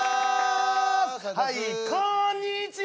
はいこんにちは！